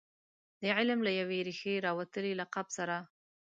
د علم له یوې ریښې راوتلي لقب سره.